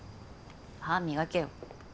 歯磨けよ。